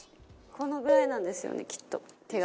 このぐらいなんですよねきっと。